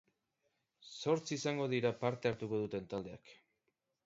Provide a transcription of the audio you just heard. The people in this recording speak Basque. Zortzi izango dira parte hartuko duten taldeak.